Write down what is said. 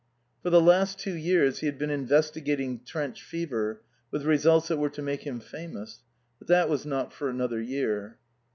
For the last two years he had been investigating trench fever, with results that were to make him famous. But that was not for another year.